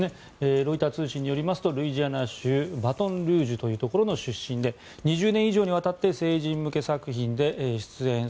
ロイター通信によるとルイジアナ州バトンルージュというところの出身で２０年以上にわたって成人向け作品で出演。